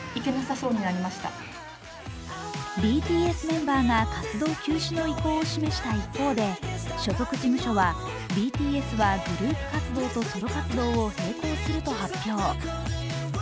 ＢＴＳメンバーが活動休止の意向を示した一方で、所属事務所は、ＢＴＳはグループ活動とソロ活動を並行すると発表。